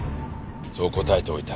そう答えておいた。